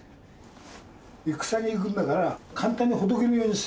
戦に行くんだから簡単にほどけねえようにするっていう感じ。